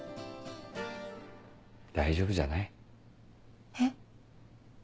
大丈夫じゃない？えっ？